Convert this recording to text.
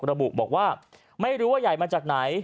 ระบุบอกว่าไม่รู้ว่าใหญ่มาจากไหน